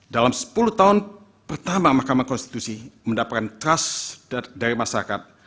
dalam sepuluh tahun pertama mahkamah konstitusi mendapatkan trust dari masyarakat